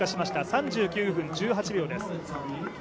３９分１８秒です。